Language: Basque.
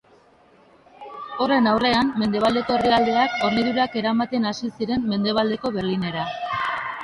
Horren aurrean, mendebaldeko herrialdeak hornidurak eramaten hasi ziren Mendebaldeko Berlinera.